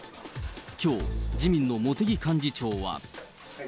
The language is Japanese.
きょう、自民の茂木幹事長は。